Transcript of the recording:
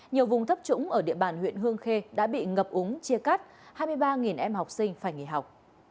nhiều vùng thấp trũng ở địa bàn huyện hương khê đã bị ngập úng chia cắt hai mươi ba em học sinh phải nghỉ học